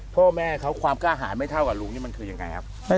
พ่อแม่เขาความกล้าหารไม่เท่ากับลุงนี่มันคือยังไงครับ